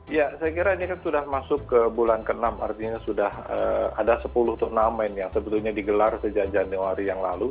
ya saya kira ini kan sudah masuk ke bulan ke enam artinya sudah ada sepuluh turnamen yang sebetulnya digelar sejak januari yang lalu